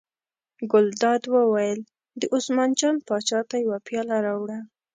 ګلداد وویل: دې عثمان جان پاچا ته یوه پیاله راوړه.